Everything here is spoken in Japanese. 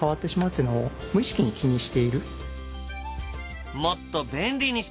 「もっと便利にしたい」。